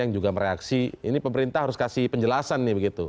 yang juga mereaksi ini pemerintah harus kasih penjelasan nih begitu